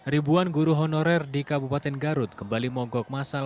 ribuan guru honorer di kabupaten garut kembali mogok masal